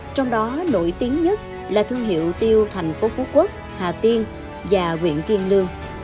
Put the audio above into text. trong đó nổi tiếng nhất là thương hiệu tiêu thành phố phú quốc hà tiên và quyện kiên lương